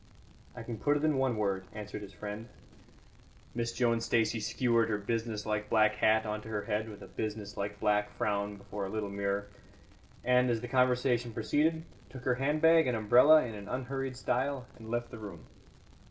"I can put it in one word," answered his friend. Miss Joan Stacey skewered her business like black hat on to her head with a business like black frown before a little mirror, and, as the conversation proceeded, took her handbag and umbrella in an unhurried style, and left the room.